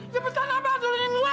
cepetan apa sulingin gua